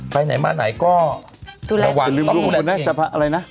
ไปไหนมาไหนก็ระวังต้องมีเหลือเงินเอง